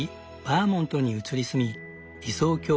バーモントに移り住み理想郷